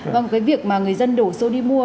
vâng cái việc mà người dân đổ xô đi mua